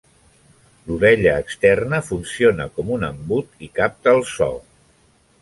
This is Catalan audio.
L'orella externa funciona com un embut i capta el so.